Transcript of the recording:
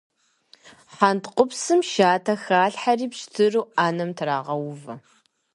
Хьэнтхъупсым шатэ халъхьэри пщтыру Ӏэнэм трагъэувэ.